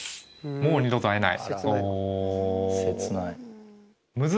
「もう二度と会えない」。